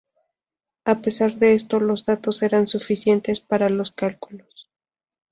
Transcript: A pesar de esto, los datos eran suficientes para los cálculos.